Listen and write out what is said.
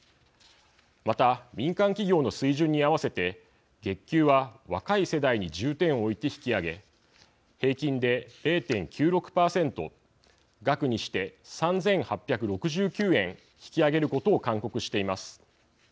また民間企業の水準に合わせて月給は若い世代に重点を置いて引き上げ平均で０．９６％額にして３，８６９円引き上げることを勧告しています。